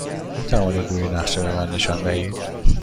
می توانید روی نقشه به من نشان دهید؟